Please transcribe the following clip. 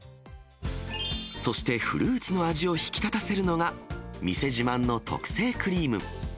そしてフルーツの味を引き立たせるのが、店自慢の特製クリーム。